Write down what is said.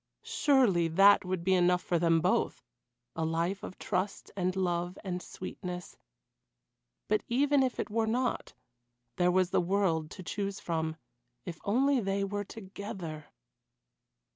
Surely that would be enough for them both a life of trust and love and sweetness; but even if it were not there was the world to choose from, if only they were together.